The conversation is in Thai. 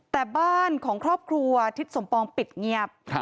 แต่บ้านของครอบครัวทิศสมปองปิดเงียบ